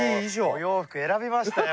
お洋服選びましたよ